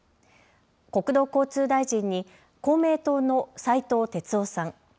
国土交通大臣に公明党の斉藤鉄夫さん。